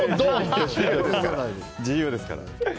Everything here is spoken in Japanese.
自由ですから。